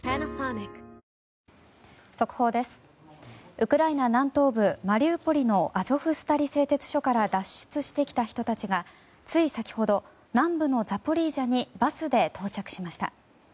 ウクライナ南東部マリウポリのアゾフスタリ製鉄所から脱出してきた人たちがつい先ほど南部のザポリージャにバスで到着しました。